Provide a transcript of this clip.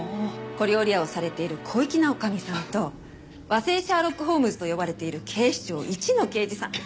小料理屋をされている小粋な女将さんと和製シャーロック・ホームズと呼ばれている警視庁イチの刑事さん。